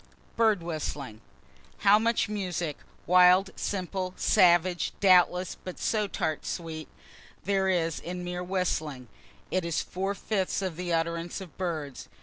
BIRD WHISTLING How much music (wild, simple, savage, doubtless, but so tart sweet,) there is in mere whistling. It is four fifths of the utterance of birds.